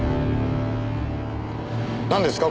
なんですか？